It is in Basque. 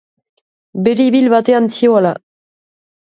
Beribil batean zihoala.